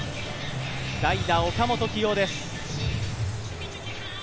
代打・岡本、起用です。